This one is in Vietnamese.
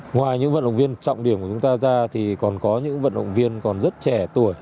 ngoài những vận động viên trọng điểm của chúng ta ra thì còn có những vận động viên còn rất trẻ tuổi